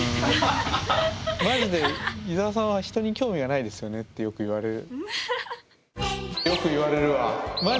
マジで「伊沢さんは人に興味がないですよね」ってよく言われる。